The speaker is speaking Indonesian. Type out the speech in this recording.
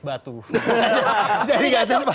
yang balik batu